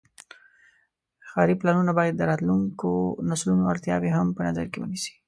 ښاري پلانونه باید د راتلونکو نسلونو اړتیاوې هم په نظر کې ونیسي.